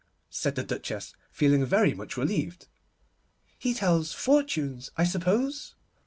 said the Duchess, feeling very much relieved; 'he tells fortunes, I suppose?